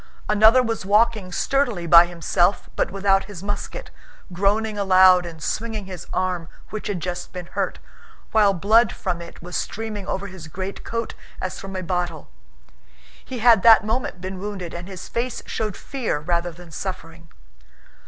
Another was walking sturdily by himself but without his musket, groaning aloud and swinging his arm which had just been hurt, while blood from it was streaming over his greatcoat as from a bottle. He had that moment been wounded and his face showed fear rather than suffering.